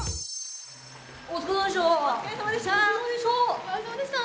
お疲れさまでした。